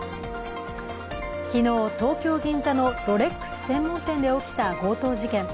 昨日、東京・銀座のロレックス専門店で起きた強盗事件。